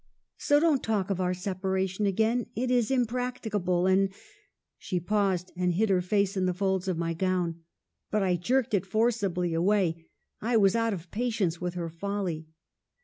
So don't talk of our separation again ; it is impracticable ; and —'" She paused, and hid her face in the folds of my gown ; but I jerked it forcibly away. I was out of patience with her folly."